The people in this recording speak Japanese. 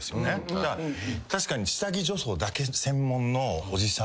確かに下着女装だけ専門のおじさんとか。